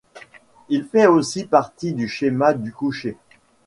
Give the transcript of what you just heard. Il fait aussi partie du Chema du coucher.